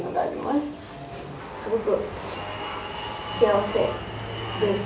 すごく幸せです。